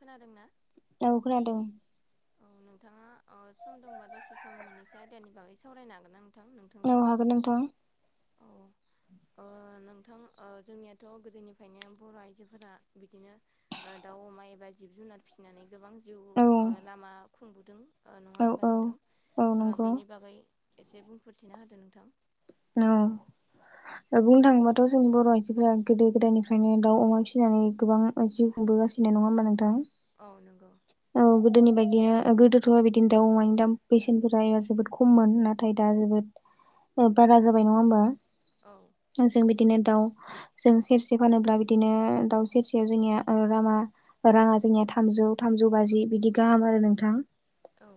खोनादों ना ना खोनादों औ नोंथाङा सम दंबा दसे सम मोननैसो आयदानि बागै सावरायनो हागोन आं थां औ नोंथांजों हागोन नोंथां औ नोंथां जोंनियाथ' गोदोनिफ्रायनो बर' आइजोफोरा बिदिनो दाउ अमा एबा जिब जुनार फिसिनानै गोबां जिउ औ लामा खुंबोदों नङा औ होनबा औ नोंथां? औ ओ नंगौ बेनि बागै एसे बुंफोरथिना होदो नोंथां औ ओ बुंनो थाङोबाथ' जोंनि बर' आइजोफोरा गोदो गोदायनिफ्रायनो दाउ अमा फिसिनानै गोबां जिउ खुंबोगासिनो नङा होमबा नोंथां? औ नंगौ। औ गोदोनि बायदिनो गोदोथ'आ बिदिनो दाउ अमाय दा। बेसेनफोरा एबा जोबोद खममोन नाथाय दा जोबोद बारा जाबाय नङा होमबा औ जों बिदिनो दाउ जों सेरसे फानोब्ला बिदिनो दाउ सेरसेयाव जोंनिया राङा राङा जोंनिया थामजौ थामजौ बाजि बिदि गाहाम आरो नोंथां औ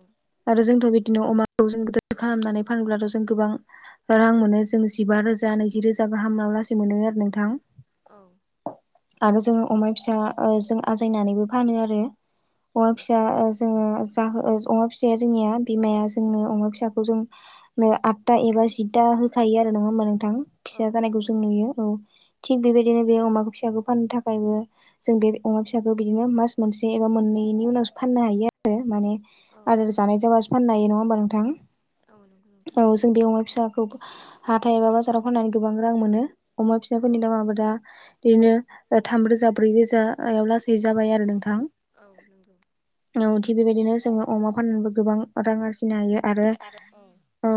आरो जोंथ' बिदिनो अमाखौ जोंद खालामनानै फान्लाथ' जों गोबां रां मोनो जों जिबा रोजा नैजि रोजा गाहाम न लासै मोनो आरो नोंथां औ आरो जोो अमा फिसा जों आजायनानैबो फानो आरो औ अमा फिसा जोङो जो अमा फिसाया जोंनिया बिमाया जोंनो अमा फिसाखौ जों आ एबा दिदा होखायो आरो नङा होमबा नोंथां औ फिसा जानायखौ नंगौ जों नुयो औ थिक बेबायदि बिदिनो बे अमाखौ फिसाखौ फाननो थाखायबो जों बे अमा फिसाखौ बिदिनो मास मोनसे ज एबा मोननैनि उनावसो फाननो हायो आरो माने आरो औ जानाय जाबासो फाननो हायो नङा होमबा नोंथां औ नंगौ नोंथां औ जों बे अमा फिसाखौ हा थ एबा बाजाराव फाननानै गोबां रां मोनो अमा औ फिसाफोरनि दामाबो दा नंगौ बिदिनो थामरोजा ब्रै रोजायाव लासै जाबाय आरो नोंथां औ नंगौ थिग बेबायदिनो जोङो अमा फाननानैबो गोबां रां आरजिनो हायो आरो औ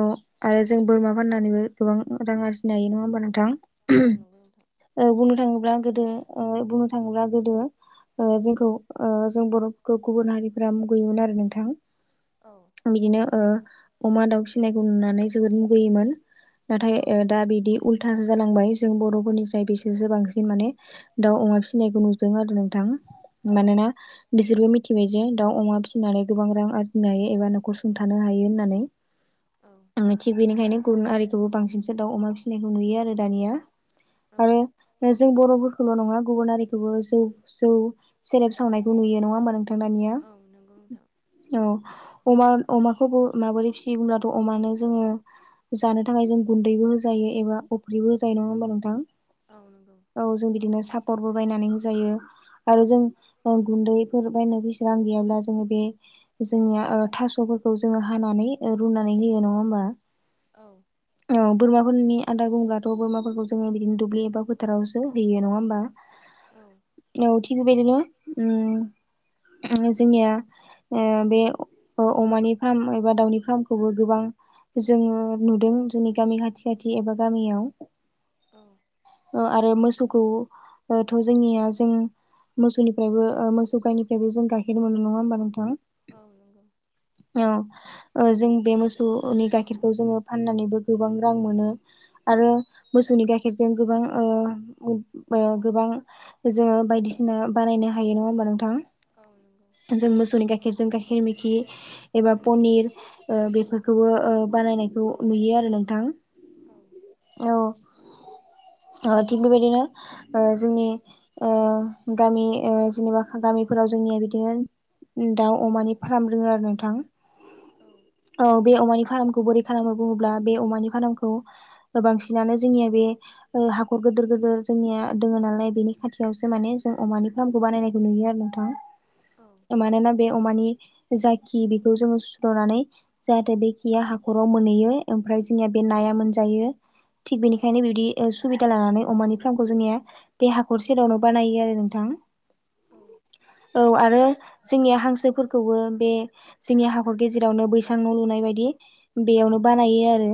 आरो जों बोरमा फाननानैबो गोबां रां आरजिनो हायो नङा होमबा नोंथां औ नंगौ नोंथां बुंनो थाङोब्ला गोदो बुंनो थाङोब्ला गोदो जोंखौ जों बर'फोरखौ गुबुन हारिफ्रा मुगैयोमोन आरो नोंथां औ बिदिनो अमा दाउ फिसिनायखौ नुनानै जोबोद मुगैयोमोन नाथाय दा बिदि उल्थासो जालांबाय जों बर'फोरनिफ्राय बिसोरसो बांसिन माने दाउ अमा फिसिनायखौ नुदों आरो नोंथां मानोना बिसोरबो मिथिबाय जे दाउ अमा फिसिनानै गोबां रां आरजिनो हायो एबा न'खर सुंथानो हायो होननानै औ आ थिग बेनिखायनो गुबुन आरिखौबो बांसिनसो दाउ अमा फिसिनायखौ नुयो आरो दानिया आरो जों बर'फोरखौल' नङा गुबुन हारिखौबो जौ जौ सेरेब सावनायखौ नुयो नंगौ नङा होमा नोंथांमोनानिया नोंथां। औ अमा अमाखौ माबोरै फिसियोगब्लाथ' अमानो जोङो जानो थाखाय जों गुन्दैबो होजायो एबा अफ्रिबो होजायो नङा होमबा नोंथां औ नंगौ औ जों बिदिनो सापर्टबो बायनानै होजायो आरो जों गुन्दैफोर बायनो बेसे रां गैयाब्ला जोङो बे जोंनिया थास'फोरखौ जोङो हानानै रुनानै होयो नङा होमबा औ बोरमाफोरनि आदार बुंब्लाथ' बोरमाफोरखौ जोङो बिदिनो दुब्लि एबा फोथारावसो होयो नङा होमबा औ औ थिग बेबायदिनो जोंनिया ओ बे अमानि फार्म एबा दाउनि फार्मखौबो गोबां जोङो नुदों जोंनि गामि खाथि खाथि एबा गामियाव औ आरो मोसौखौथ' जोंनिया जों मोसौनि फ्रायबो मोसौ गायनिफ्रायबो जों गाखेर मोनो नङा होमबा नोंथां औ नंगौ औ जों बे मोसौनि गाइखेरखौ जोङो फाननानैबो गोबां रां मोनो आरो मोसौनि गाइखेरजों गोबां ओ गोबां जोङो बायदिसिना बानायनो हायो नङा होमबा नोंथां औ नंगौ जोङो जों मोसौनि गाइखेरजों गाइखेर मेखि एबा पनिर ओ बेफोरखौबो ओ बानायनायखौ नुयो आरो नोंथां बायदिसिना बानायनो हायो नङा होमबा? औ औ ओ थिग बेबायदिनो ओ जोंनि ओ गामि जेनेबा गामिफोराव जोंनिया बिदिनो दाउ अमानि फार्म रोङो आरो नोंथां औ औ बे अमानि फार्मखौ बोरै खालामना बुङोब्ला बे अमानि फार्मखौ बांसिन बिनो जोंनिया बे हाखर गिदिर गिदिर जोंनिया दङ नालाय बेनि खाथियावसो माने जों अमानि फार्मखौ बानायनायखौ नुयो आरो नोंथां औ मानोना बे अमानि जाखि बेखौ जो नानै जाहाथे बे खिया हाखराव मोनहैयो ओमफ्राय जोंनिया बे नाया मोनजायो थिग औ बेनिखायनो बिबदि सुबिदा लानानै अमानि फार्मखौ जोंनिया बे औ हाखर सेरावनो बानायो आरो नोंथां औ औ आरो जोंनि हांसोफोरखौबो बे जोंनि हाखर गेजेरावनो बैसां न लुनाय बायदि बेयावनो बानायो आरो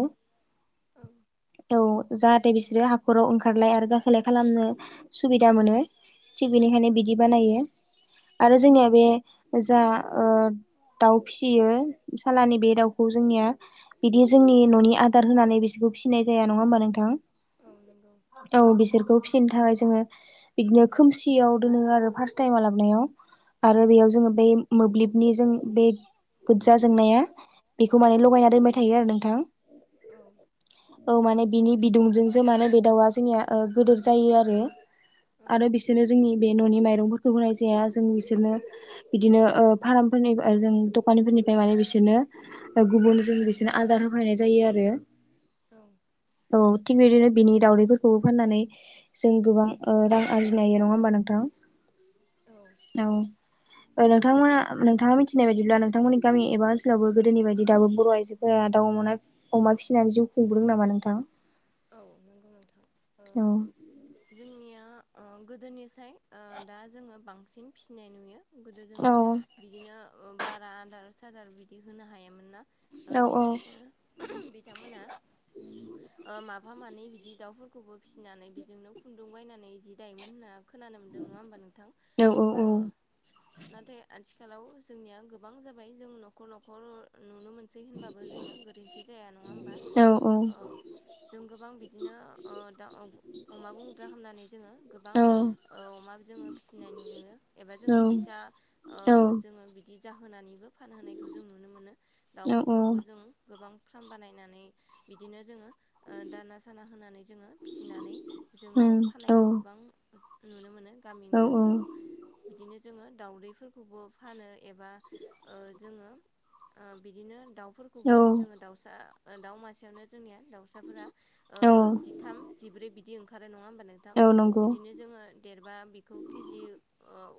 बेनिखायनो औ जाहाथे बिसोरो हाखराव ओंखारलाय आरो गाखोलाय खालामनो सुबिदा मोनो थिग बेनिखायनो बिदि बानायो आरो जोंनिया बे जा दाउ फिसियो सालानि बे दाउखौ जोंनिया बिदि जोंनि न'नि आदार होनानै बिसोरखौ फिसिनाय जाया नङा होमबा नोंथां औ नंगौ औ बिसोरखौ फिसिनो थाखाय जोङो बिदिनो सियाव दोनों आरो फारस्ट टाइम लाबोनायाव आरो औ बेयाव जोङो बे मोब्लिबनिजों बे गोजा जोंनाया बेखौ माने औ लगायना दोनबाय थायो आरो नोंथां औ माने बिनि बिदुंजोंसो माने बे दाउआ जोंनिया गिदोर जायो आरो आरो बिसोरनो जोंनि बे न'नि माइरंफोरखौ होनाय जाया जों बिसोरनो बिदिनो ओ फार्मफोरनि जों दखानफोरनिफ्राय माने बिसोरनो गुबुन जों बिसोर बिदिनो आदार होफैनाय जायो आरो औ औ थिग बिदिनो बिनि दाउदैफोरखौबो फाननानै जों गोबां ओ रां आरजिनायो नङा होनबा नोंथां औ औ नोंथां नोंथाङा मिथिनाय बायदिब्ला नोंथांमोननि गामि एबा स्लावबो गोदोनि बायदि दाबो बर' आइजोफोरा दउ अमा अमा फिसिनानै जिउ [unintelligible] नामा नोंथां औ नंगौ नोंथां ओ औ जोंनिया ओ गोदोनिसाय ओ दा जोङो बांसिन फिसिनाय नुयो गोदो औ जोङो बिदिनो ओ बारा आदार सादार बिदि होनो हायामोन ना। ओ औ बिनिखायनो बिथांमोना ओ माफा मानै बिदि दाउफोरखौबो फिसिनानै बेजोंनो खुन्दुं बायनानै जि दायोमोन होनना खोनानो मोनदों नङा होमबा नोंथां औ ओ नाथाय आथिखालाव जोंनिया गोबां जाबाय जों न'खर न'खर नुनो मोनसै। होनबाबो जोंनिया गोरोन्थि जाया नङा होमबा औ ओ जों गोबां बिदिनो ओ दा अमा गंन्द्रा हामनानै जोङो गोबां औ औ मा जोङो फिसिनाय नुयो एबा जोङो फिसा ओ औ जोङो बि बिदि जाहोनानैबो फानहोनायखौ जों नुनो मोनो औ औ औ दाउफोरखौबो जों गोबां फ्राम बानायनानै बिदिनो जोङो ओ दाना साना होनानै जोङो फिसिनानै जोङो फानखौ गोबां नुनो मोनो गामि ओनसोलफोराव बिदिनो जोङो दाउदैफोर आबाव फानो एबा ओ जोङो बिदिनो दावफोरखौ खौबो जोङो दाउसा दाउमासेयावनो जोंनिया दाउसाफोरा ओ औ जिथाम जिब्रै बिदि ओंखारो नङा होनबा थां औ नंगौ बिदिनो जोङो देरबा बेखौ केजि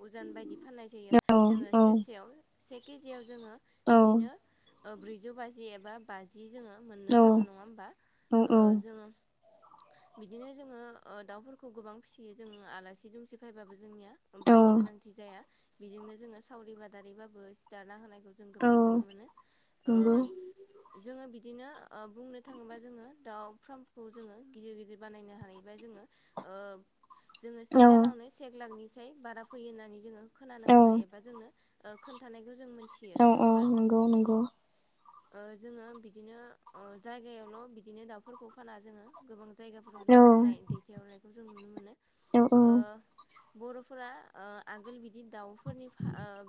उजन बायदि फाननाय जायो। नंगौ औ जोङो औ सेरसेयाव से केजियाव जोङो औ बिदिनो ओ ब्रैजौ बाजि एबा बाजि जोङो मोन औ थाङो नङा होमबा नंगौ औ ओ औ जोङो बिदिनो जोङो ओ दाउफोरखौ गोबां फिसियो जों आलासि दुमसि फायबाबो जोंनिया औ बायनो गोनांथि जाया बेजोंनो जोङो सावरि बादारिबाबो सिथारना होनायखौ जों गोबां औ नुनो मोनो ओ औ जोङो बिदिनो ओ बुंनो थाङोबा जोङो दाउ फार्मखौ जोङो गिदिर गिदिर बानायनो हानायबा जोङो ओ जोङो से दानावनो सेक लाखनिसाय बारा फैयो होननानै जोङो खोनानो मोनो एबा जोंनो ओ खोन्थानायखौ जों मिथियो नङा होमबा ओ जोङो बिदिनो ओ जायगायावल' बिदिनो दाउफोरखौ फाना जोङो गोबां जायगा फोराव जों फाननाय दैथायहरनायखौ जों नुनो मोनो ओ बर'फोरा ओ आगोल बिदि दाउफोरनि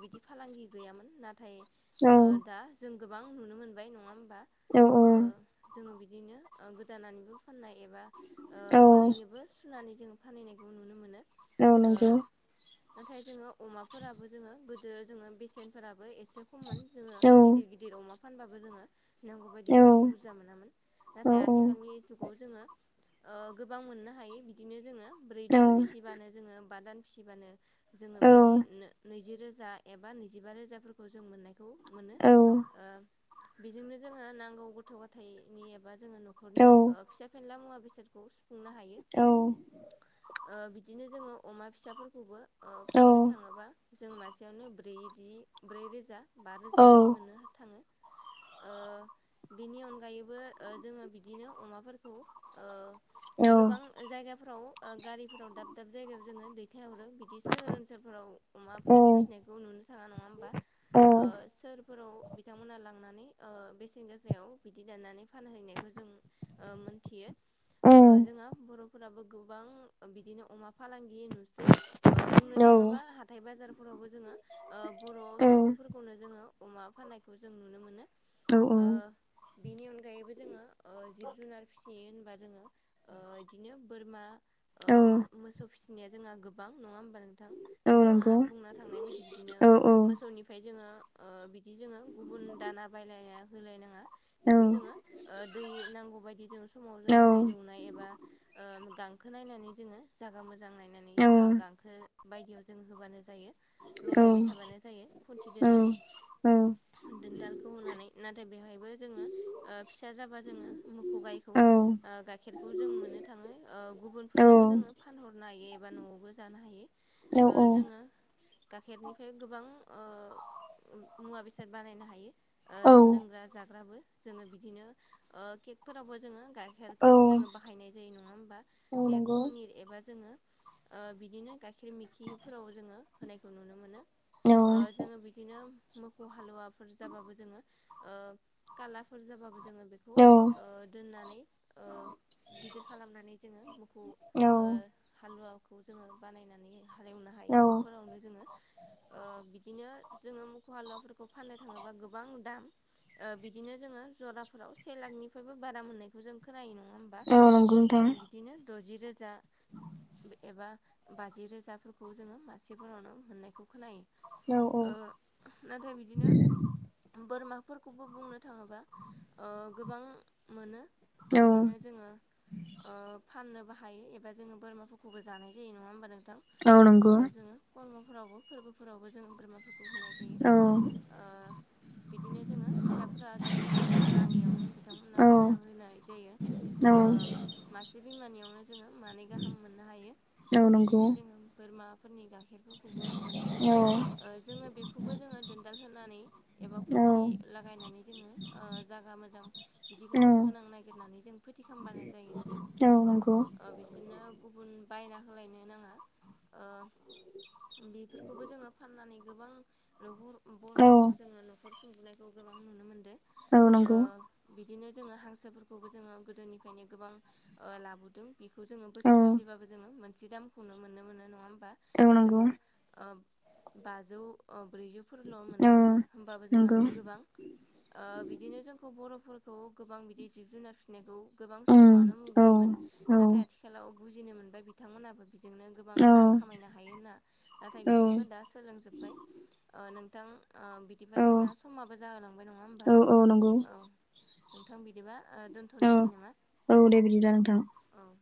बिदि फालांगि गैयामोन नाथाय ओ दा जों गोबां नुनो मोनबाय नङा होमबा? औ औ। ओ जोङो बिदिनो ओ गोदानानैबो फाननाय एबा ओ ओरैनोबो सुनानै जों फानहैनायखौ नुनो मोनो। नाथाय जोङो अमाफोराबो जोङो गोदो जोङो बेसेनफोराबो एसे खममोन जोङो गिदिर गिदिर गिदिर अमा फानबाबो जोङो नांगौ बायदि बेसे बुरजा मोनामोन नाथाय आथिखालनि जुगाव जोङो ओ गोबां मोननो हायो बिदिनो जोङो ब्रै दान फिसिबानो जोङो बा दान फिसिबानो जोङो बिदि नैजि रोजा एबा नैजिबा रोजाफोरखौ जों मोननाय खौ मोनो ओ बेजोंनो जोङो नांगौ हाथाइनि एबा जोङो न'खरनि ओ फिसा फेनला मुवा बेसादखौ सुफुंनो हायो। औ। ओ बिदिनो जोङो अमा फिसाफोरखौबो ओ फाननो थाङोबा जों मासेयावनो ब्रै दि ब्रै रोजा बा रोजा बिदि मोननो थाङो। ओ बिनि अनगायैबो ओ जोङो बिदिनो अमाफोरखौ ओ गोबां जायगाफोराव गारिफोराव दाब दाब जायगायाव जोङो दै थायहरो बिदिस ओनसोलफोराव अमाफोरखौ फिसिनायखौ नुनो थाङा नङा होमबा। ओ सोरफोराव बिथांमोनहा लां थांनानै ओ बेसेन गोसायाव बिदि दाननानै फानहैनायखौ जों मोनथियो ओ जोंहा बर'फोराबो गोबां बिदिनो अमा फालांगि नुसै ओ बुंनो थांङोबा हाथाय बाजारफोरावबो जोंङो ओ बर' सुबुंफोरखौनो जोंङो अमा फाननायखौ जों नुनो मोनो औ ओ औ बेनि अनगायैबो जोंङो ओ जिब जुनार फिसियो होनबा जोंङो ओ बिदिनो बोरमा ओ औ मोसौ फिसिनाया जोंहा गोबां नङा होमबा नोंथां औ नोंथाङा नंगौ बुंना थांनाय बायदि बिदिनो औ मोसौनिफ्राय जोंङो ओ बिदि जोंङो गुबुन दाना बायलायना होलायनाङा। औ बेखौ जोंङो दै, नांगौ बायदि जों समाव जों औ दै दौनाय एबा ओ गांखो नायनानै जोंङो जागा मोजां नायनानै औ ओ गांखो बायदियाव जों होब्लानो जायो औ लरायबाय थाबानो जायो खुन्थि दोनानै। दोनदालखौ होनानै नाथाय बेवहायबो जोंङो ओ फिसा जाबा जोंङो मोसौ गायनि गाइखेरखौ जों मोननो थाङो। गुबुनफोरनोबो जोंङो फानहरनो हायो एबा न'आवबो जानो हायो। ओ जोंङो गाइखेरनिफ्राय गोबां ओ मुवा, बेसाद बानायनो हायो। औ ओ लोंग्रा-जाग्राबो जोंङो बिदिनो केक फोरावबो जोंङो औ गाइखेरखौ जोंङो बाहायनाय जायो नङा होमबा। औ केक, नंगौ पनिर एबा जोंङो ओ बिदिनो गाइखेर मैखिफोराव जोंङो होनायखौ नुनो मोनो। औ ओ जोंङो बिदिनो मोखौव हालुवाफोर जाबाबो जोंङो ओ खालारफोर जाबाबो जोंङो बेखौ औ ओ दोननानै ओ गिदिर खालामनानै जोंङो मोखौ ओ औ हालुवाखौ जोंङो बानायनानै हालेवनो हायो। न'फोरावनो जोंङो ओ बिदिनो जोंङो मोसौ हालुवाफोरखौ फाननो थाङोबा गोबां दाम ओ बिदिनो जोंङो जराफोराव से लाखनिफ्रायबो बारा मोननायखौ जों खोनायो नङा होमबा? औ नंगौ नोंथां बिदिनो दथि रोजा एबा बाजि रोजाफोरखौ जोंङो मासेफोरावनो मोननायखौ खोनायो। औ औ ओ नाथाय बिदिनो, बोरमा खौबो बुंनो थाङोबा, ओ गोबां मोनो। औ बिदिनो जोंङो ओ फाननोबो हायो एबा जोंङो बोरमाफोरखौबो जानाय जायो नङा होमबा नोंथां? औ ओ नंगौ जोंङो कर्मफोरावबो, फोरबोफोरावबो जों बोरमाफोरखौ खौ होनाय जायो। औ ओ बिदिनो जोंङो फिसाफोरा जोंङो बोसोर नाङैयावनो बिथांमोनहा औ फिसा होनाय जायो। औ ओ मासे बिमानियावनो जोंङो मानै गाहाम मोननो हायो। औ नंगौ बिदिनो जोंङो बोरमा फोरनि गाइखेर बेफोरखौबो मोनो। औ जोंङो बेखौबो जोंङो दोनदाल होनानै एबा खुन्थि औ लागायनानै जोंङो ओ जागा मोजां बिदि गांखो गोनां नागिरनानै जों फोथि खालामबानो जायो। औ जों नोंगौ। ओ बिसोरनो गुबुन बायना होलायनो नाङा। ओ बेफोरखौबो जोंङो फाननानै गोबां नखर औ बर'फोरखौ जोंङो न'खर सुजुनायखौ गोबां नुनो मोनदों। औ ओ नंगौ बिदिनो जोंङो हांसोफोरखौबो जोंङो गोदोनिफ्रायनो गोबां ओ लाबोदों बेखौ जोंङो बोसोर औ फिसिबाबो जोंङो मोनसे दामखौनो मोननो मोनो नङा होमबा? औ नंगौ जोंङो ओ बाजौव ओ ब्रैजौव फोरल' मोननो औ मोनो। होमबाबो जोंङो नंगौ गोबां ओ बिदिनो जोंखौ बर'फोरखौ गोबां बिदि जिब-जुनार फिननायखौ गोबां ओम सुबुङानो औ मुगैयोमोन। औ नाथाय आथिखालाव बुजिनो मोनबाय बिथांमोनाबो बिजोंनो गोबां औ रां खामायनो हायो होनना। नाथाय औ बिसोरबो दा सोलोंजोब्बाय ओ नोंथां? ओ बिदिबा औ जोंना समाबो जाहोलांबाय नङा होमबा? औ औ नंगौ औव। नोंथां, बिदिबा ओ औ दोन्थ'नोसै नामा? औ दे बिदिब्ला नोंथां औव।